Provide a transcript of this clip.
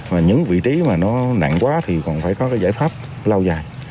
và những vị trí mà nó nặng quá thì còn phải có cái giải pháp lau dài